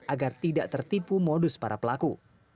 agar tidak tertipu modus para pelaku